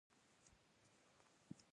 هغوی د ژمنې په بڼه لمحه سره ښکاره هم کړه.